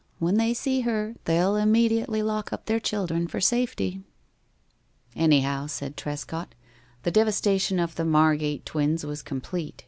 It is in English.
When they see her they'll immediately lock up their children for safety." "Anyhow," said Trescott, "the devastation of the Margate twins was complete.